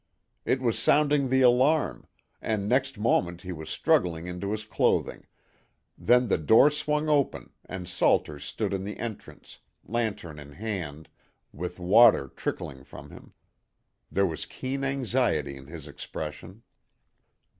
It was sounding the alarm, and next moment he was struggling into his clothing; then the door swung open and Salter stood in the entrance, lantern in hand, with water trickling from him. There was keen anxiety in his expression.